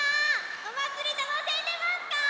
おまつりたのしんでますか？